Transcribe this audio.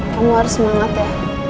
kamu harus semangat ya